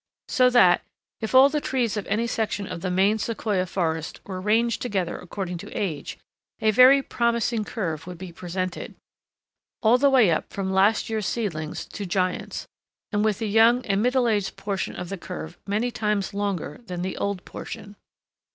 So that if all the trees of any section of the main Sequoia forest were ranged together according to age, a very promising curve would be presented, all the way up from last year's seedlings to giants, and with the young and middle aged portion of the curve many times longer than the old portion.